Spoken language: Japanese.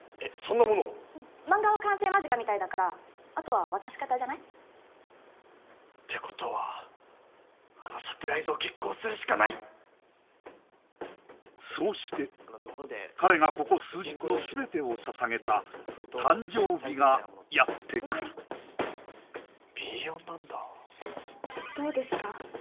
うん漫画は完成間近みたいだからあとは渡し方じゃない？ってことはあのサプライズを決行するしかないそうして彼がここ数日の全てをささげた誕生日がやってくるＢ４なんだどうですか？